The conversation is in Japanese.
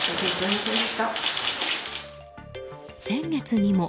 先月にも。